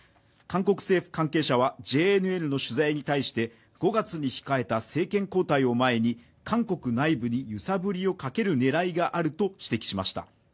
韓国政府関係者は、ＪＮＮの取材に対して５月に控えた政権交代を前に韓国内部に揺さぶりをかける狙いがあると指摘しました。